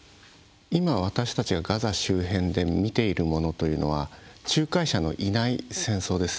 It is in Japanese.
今私たちがガザ周辺で見ているものというのは仲介者のいない戦争です。